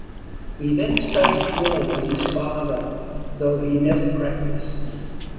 He then studied law with his father though he never practiced.